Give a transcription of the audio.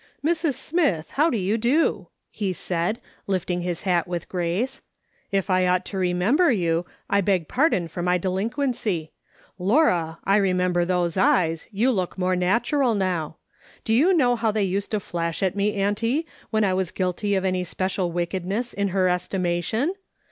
" Mrs. Smith, how do you do ?" he said, lifting his hat with grace. " If I ought to remember you, I beg pardon for my delinquency. Laura, I remember those eyes ; you look more natural now. Do you know how they used to flash at me, auntie, when I was guilty of any special wickedness, in her estimation